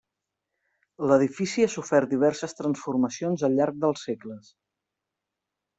L'edifici ha sofert diverses transformacions al llarg dels segles.